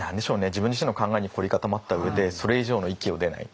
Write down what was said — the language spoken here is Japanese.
自分自身の考えに凝り固まった上でそれ以上の域を出ない。